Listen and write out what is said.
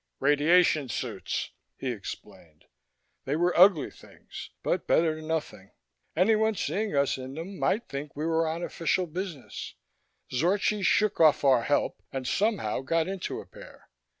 "Radiation suits," he explained. They were ugly things, but better than nothing. Anyone seeing us in them might think we were on official business. Zorchi shook off our help and somehow got into a pair.